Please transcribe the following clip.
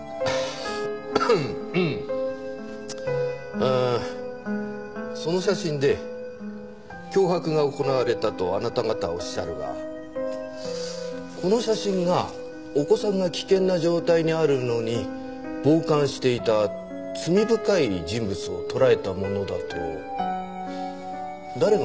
ああその写真で脅迫が行われたとあなた方はおっしゃるがこの写真がお子さんが危険な状態にあるのに傍観していた罪深い人物を捉えたものだと誰が証明するんでしょう？